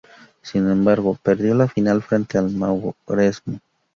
Sin embargo, perdió la final frente a Mauresmo.